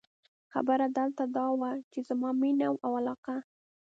خبره دلته دا وه، چې زما مینه او علاقه.